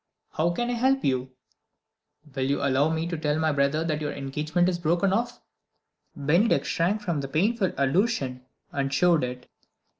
"How can I help you?" "Will you allow me to tell my brother that your engagement is broken off?" Bennydeck shrank from the painful allusion, and showed it.